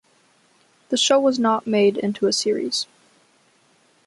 The show was not made into a series.